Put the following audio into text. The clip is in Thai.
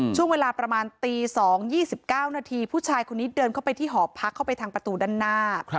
ช่วงเวลาประมาณตี๒๒๙นาทีผู้ชายคนนี้เดินเข้าไปที่หอพักเข้าไปทางประตูด้านหน้า